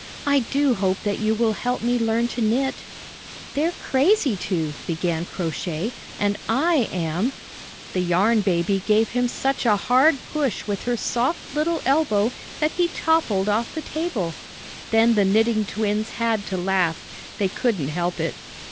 "I do hope that you will help me learn to knit." "They're crazy to," began Crow Shay, "and I am " The Yarn Baby gave him such a hard push with Toppled off her soft little elbow that he toppled off the table. tlh.£ tubfe. Then the Knitting twins had to laugh. They couldn't help it.